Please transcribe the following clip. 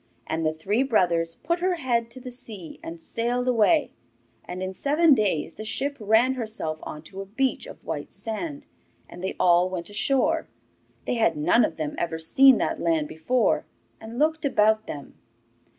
And the three brothers put her head to the sea and sailed away, and in seven days the ship ran herself on to a beach of white sand, and they all went ashore. They had none of them ever seen that land before, and looked about them.